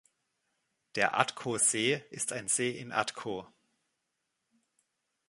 Der Atco-See ist ein See in Atco.